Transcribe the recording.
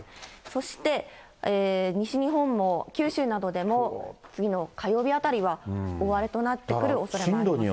そして西日本も、九州などでも、次の火曜日あたりは大荒れとなってくるおそれもあります。